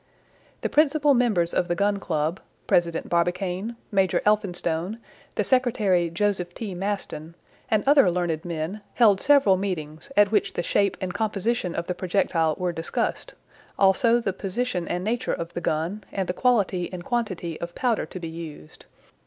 The principal members of the Gun Club, President Barbicane, Major Elphinstone, the secretary Joseph T. Maston, and other learned men, held several meetings, at which the shape and composition of the projectile were discussed, also the position and nature of the gun, and the quality and quantity of powder to be used.